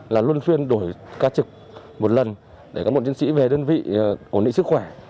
là luân phiên đổi ca trực một lần để cán bộ chiến sĩ về đơn vị ổn định sức khỏe